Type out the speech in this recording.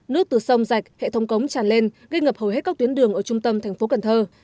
nước từ sông rạch hệ thống cống tràn lên gây ngập hầu hết các tuyến đường ở trung tâm thành phố cần thơ